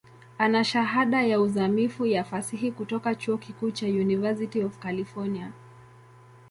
Ana Shahada ya uzamivu ya Fasihi kutoka chuo kikuu cha University of California.